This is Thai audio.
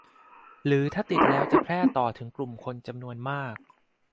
หรือถ้าติดแล้วจะแพร่ต่อถึงกลุ่มคนจำนวนมาก